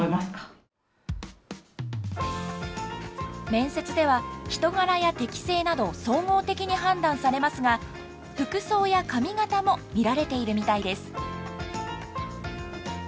面接では人柄や適性など総合的に判断されますが服装や髪型も見られているみたいです。